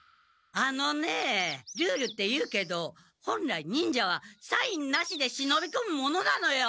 あのねルールって言うけど本来忍者はサインなしで忍びこむものなのよ！